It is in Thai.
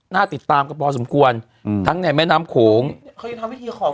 น่าติดตามกับปลอสมควรอืมทั้งในแม่น้ำโขงเค้ายังทำวิธีขอบฝน